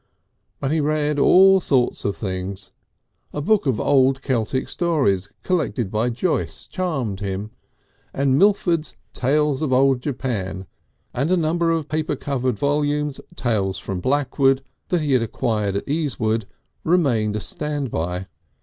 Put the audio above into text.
But he read all sorts of things; a book of old Keltic stories collected by Joyce charmed him, and Mitford's Tales of Old Japan, and a number of paper covered volumes, Tales from Blackwood, he had acquired at Easewood, remained a stand by.